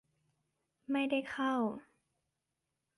ไม่ได้เข้า